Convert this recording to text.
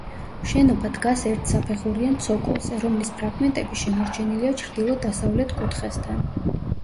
შენობა დგას ერთსაფეხურიან ცოკოლზე, რომლის ფრაგმენტები შემორჩენილია ჩრდილო-დასავლეთ კუთხესთან.